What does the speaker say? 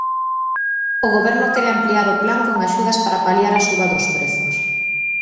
O Goberno quere ampliar o plan con axudas para paliar a suba dos prezos.